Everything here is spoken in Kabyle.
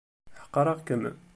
Ḥeqreɣ-kem.